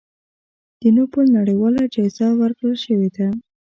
د نوبل نړیواله جایزه ورکړی شوې ده.